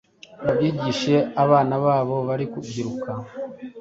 babyigishe abana babo bari kubyiruka